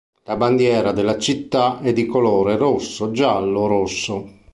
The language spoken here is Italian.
La bandiera della città è di colore rosso-giallo-rosso.